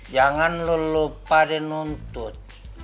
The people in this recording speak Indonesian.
jangan lupa di nuntut